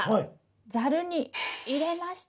ザルに入れました。